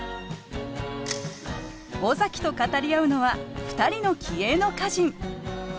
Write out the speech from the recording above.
尾崎と語り合うのは２人の気鋭の歌人。